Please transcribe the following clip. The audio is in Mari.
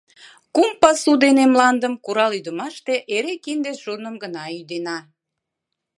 Кум пасу дене мландым курал-ӱдымаште эре кинде-шурным гына ӱдена.